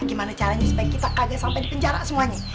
gimana caranya supaya kita agak sampai di penjara semuanya